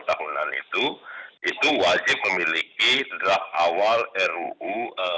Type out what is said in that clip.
tahunan itu itu wajib memiliki draft awal ruu